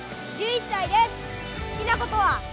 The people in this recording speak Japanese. １１歳です。